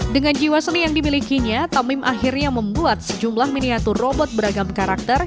dengan jiwa seni yang dimilikinya tomim akhirnya membuat sejumlah miniatur robot beragam karakter